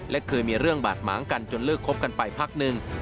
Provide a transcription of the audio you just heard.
และเคยมีเรื่องบาดหมางกันจนเลิกคบกันไปพักหนึ่ง